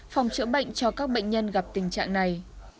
phòng chữa bệnh cho các bệnh nhân gặp tình trạng này